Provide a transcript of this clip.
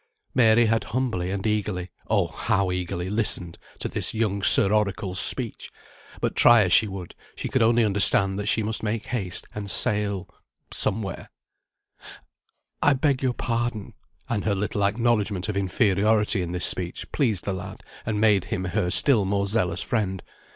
Mary had humbly and eagerly (oh, how eagerly!) listened to this young Sir Oracle's speech; but try as she would, she could only understand that she must make haste, and sail somewhere "I beg your pardon," (and her little acknowledgment of inferiority in this speech pleased the lad, and made him her still more zealous friend).